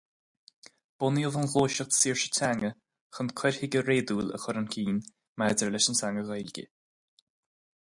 Bunaíodh an Ghluaiseacht Saoirse Teanga chun cur chuige réadúil a chur chun cinn maidir leis an teanga Ghaeilge.